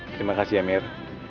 terima kasih ya emir